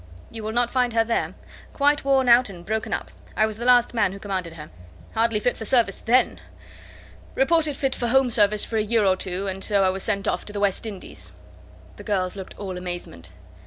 "You will not find her there. Quite worn out and broken up. I was the last man who commanded her. Hardly fit for service then. Reported fit for home service for a year or two, and so I was sent off to the West Indies." The girls looked all amazement.